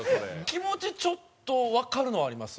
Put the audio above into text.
気持ちちょっとわかるのあります。